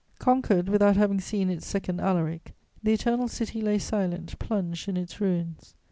Conquered without having seen its second Alaric, the Eternal City lay silent, plunged in its ruins.